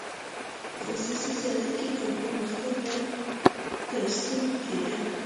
په خصوصي سازۍ کې کوم پرمختګ نه تر سترګو کېده.